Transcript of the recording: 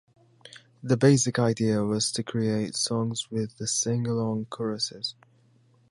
The basic idea was to create songs with sing-along choruses.